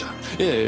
ええ。